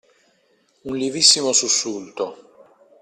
Un lievissimo sussulto.